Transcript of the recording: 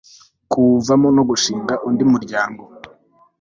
kuwuvamo no gushinga undi muryango